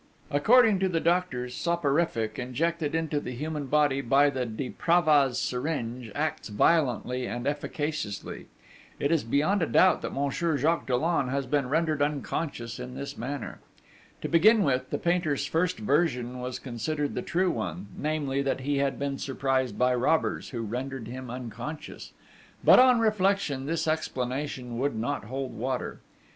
According to the doctors, soporific, injected into the human body by the de Pravaz syringe, acts violently and efficaciously. It is beyond a doubt that Monsieur Jacques Dollon has been rendered unconscious in this manner. To begin with, the painter's first version was considered the true one, namely, that he had been surprised by robbers, who rendered him unconscious; but, on reflection, this explanation would not hold water.